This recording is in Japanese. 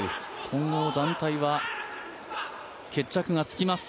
混合団体は決着がつきます。